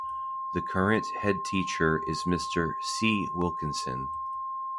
The current headteacher is Mr C Wilkinson.